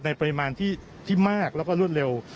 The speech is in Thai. ปริมาณที่มากแล้วก็รวดเร็ว